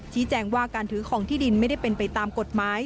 แจ้งว่าการถือของที่ดินไม่ได้เป็นไปตามกฎหมาย